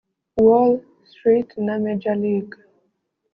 Wall Street na Major League